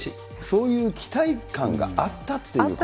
そういう期待感があったっていうことなんですね。